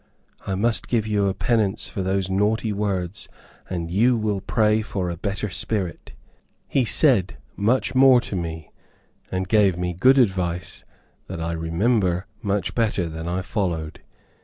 I must give you a penance for those naughty words, and you will pray for a better spirit." He said much more to me, and gave me good advice that I remember much better than I followed.